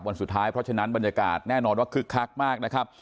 วันสุดท้ายเพราะฉะนั้นบรรยากาศแน่นอนว่าคึกคักมากนะครับ